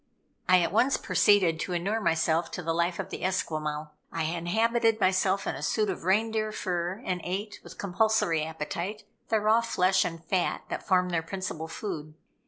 I at once proceeded to inure myself to the life of the Esquimaux. I habited myself in a suit of reindeer fur, and ate, with compulsory appetite, the raw flesh and fat that form their principal food.